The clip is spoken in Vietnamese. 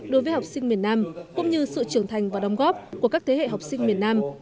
đối với học sinh miền nam cũng như sự trưởng thành và đồng góp của các thế hệ học sinh miền nam